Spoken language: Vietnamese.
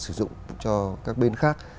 sử dụng cho các bên khác